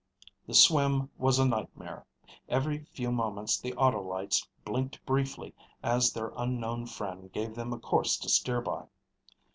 The swim was a nightmare. Every few moments the auto lights blinked briefly as their unknown friend gave them a course to steer by.